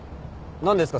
何ですか？